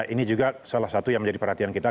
ini juga salah satu yang menjadi perhatian kita